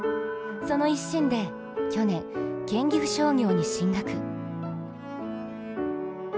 その一心で去年、県立岐阜商業に進学。